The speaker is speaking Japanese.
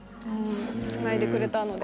つないでくれたので。